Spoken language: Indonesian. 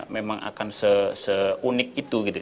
memang akan se unik itu gitu